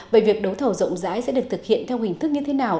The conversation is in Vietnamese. vậy việc đấu thầu rộng rãi sẽ được thực hiện theo hình thức như thế nào